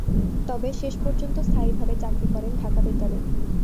তবে শেষ পর্যন্ত স্থায়ীভাবে চাকরি করেন ঢাকা বেতারে।